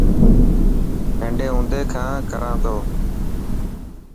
ننڊي هوندي کان ڪران تو.